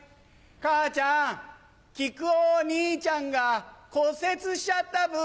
母ちゃん木久扇兄ちゃんが骨折しちゃったブ。